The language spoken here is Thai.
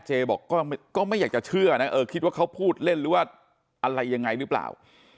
บอกก็ไม่อยากจะเชื่อนะเออคิดว่าเขาพูดเล่นหรือว่าอะไรยังไงหรือเปล่า